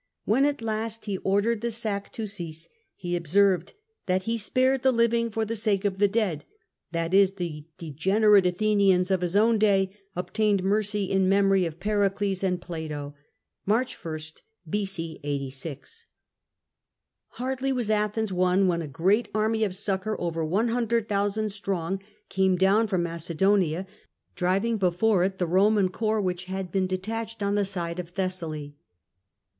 When at last he ordered the sack to cease, he observed that he spared the living for the sake of the dead," Le. the degenerate Athenians of his own day obtained mercy in memory of Pericles and Plato [March i, B.o. 86]. Hardly was Athens won, when a great army of succour, over ioo, cxDO strong, came down from Macedonia, driving before it the Roman corps which had been detached on the side of Thessaly.